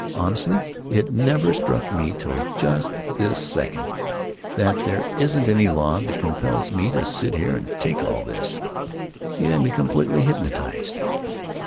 Honestly, it never struck me till just this second that there isn't any law that compels me to sit here and take all this. You had me completely hypnotized."